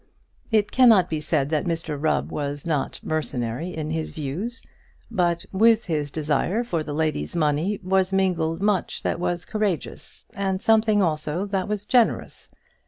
It cannot be said that Mr Rubb was not mercenary in his views, but with his desire for the lady's money was mingled much that was courageous, and something also that was generous.